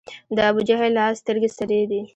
د ابوجهل لا سترګي سرې دي